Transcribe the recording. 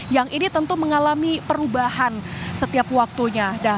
yang ini tentu mengalami perubahan setiap waktunya